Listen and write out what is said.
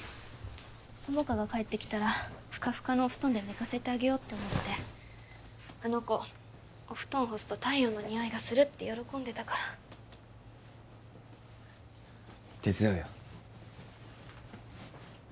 友果が帰ってきたらフカフカのお布団で寝かせてあげようって思ってあの子お布団干すと太陽の匂いがするって喜んでたから手伝うよ